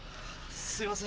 すいません。